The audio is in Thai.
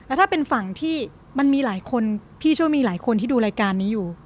แล้วถ้าเป็นฝั่งที่มันมีหลายคนพี่เชื่อว่ามีหลายคนที่ดูรายการนี้อยู่